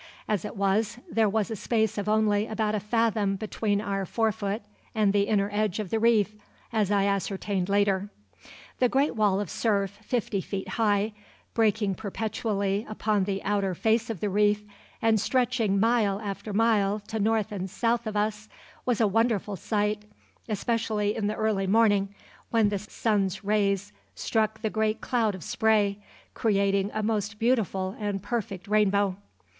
As it was, there was a space of only about a fathom between our forefoot and the inner edge of the reef, as I ascertained later. The great wall of surf, fifty feet high, breaking perpetually upon the outer face of the reef, and stretching mile after mile to north and south of us, was a wonderful sight, especially in the early morning, when the sun's rays struck the great cloud of spray, creating a most beautiful and perfect rainbow.